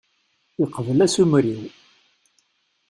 Yeqbel asumer-iw.